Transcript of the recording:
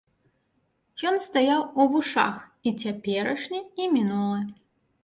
Ён стаяў у вушах, і цяперашні і мінулы.